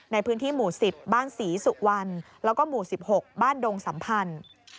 ในพื้นที่หมู่๑๐บ้านศรีสุวรรณแล้วก็หมู่๑๖บ้านดงสัมพันธ์